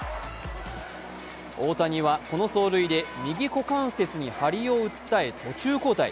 大谷はこの走塁で右股関節に張りを訴え途中交代。